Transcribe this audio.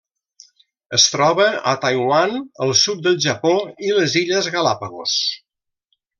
Es troba a Taiwan, el sud del Japó i les Illes Galápagos.